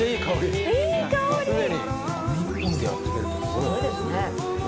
すごいですね。